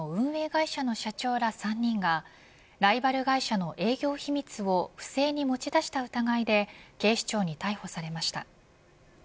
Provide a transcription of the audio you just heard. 会社の社長ら３人がライバル会社の営業秘密を不正に持ち出した疑いで警視庁に逮捕されました。